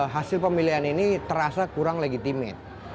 hasil pemilihan ini terasa kurang legitimate